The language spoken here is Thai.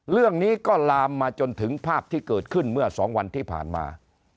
เรื่องนี้ก็ลามมาจนถึงภาพที่เกิดขึ้นเมื่อ๒วันที่ผ่านมา